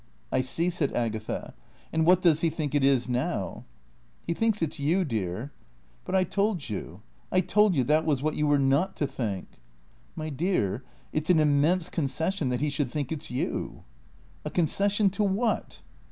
"I see," said Agatha. "And what does he think it is now?" "He thinks it's you, dear." "But I told you I told you that was what you were not to think." "My dear, it's an immense concession that he should think it's you." "A concession to what?"